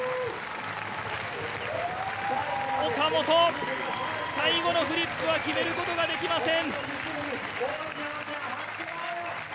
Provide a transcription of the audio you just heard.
岡本、最後のフリップは決めることができません。